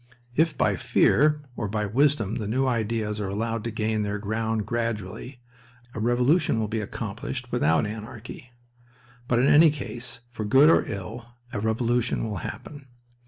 If by fear or by wisdom the new ideas are allowed to gain their ground gradually, a revolution will be accomplished without anarchy. But in any case, for good or ill, a revolution will happen.